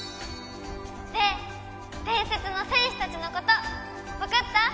で伝説の戦士たちのことわかった？